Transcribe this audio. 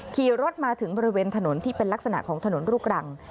ขี่รถมาถึงบริเวณถนนที่เป็นลักษณะของถนนลูกรัง